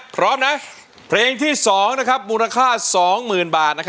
เพลงที่สองครับมูลค่าสองหมื่นบาท